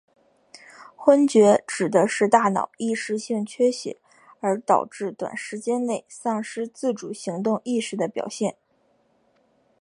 晕厥指的是大脑一时性缺血而导致短时间内丧失自主行动意识的表现。